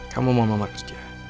kamu mau mamat kerja